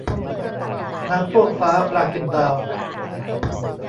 น้ำท่วมฟ้า ปลากินดาว